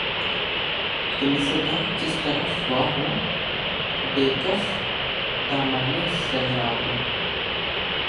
کہ مژگاں جس طرف وا ہو‘ بہ کف دامانِ صحرا ہے